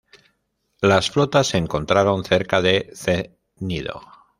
Las flotas se encontraron cerca de Cnido.